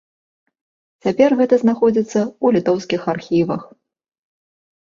Цяпер гэта знаходзіцца ў літоўскіх архівах.